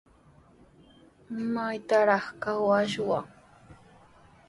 ¿Maytrawraq kawashwan?